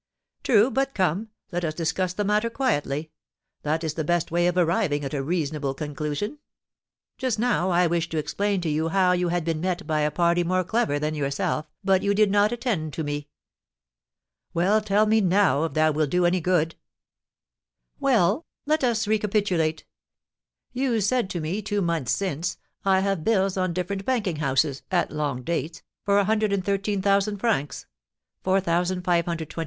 "True; but, come, let us discuss the matter quietly; that is the best way of arriving at a reasonable conclusion. Just now, I wish to explain to you how you had been met by a party more clever than yourself, but you did not attend to me." "Well, tell me now, if that will do any good." "Let us recapitulate. You said to me two months since, 'I have bills on different banking houses, at long dates, for a hundred and thirteen thousand francs (4,520_l.